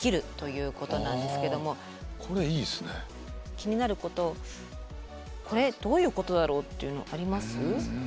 気になることこれどういうことだろうっていうのあります？